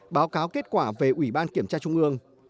báo cáo kết quả về ủy ban kiểm tra trung ương